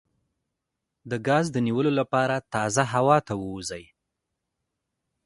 د ګاز د نیولو لپاره تازه هوا ته ووځئ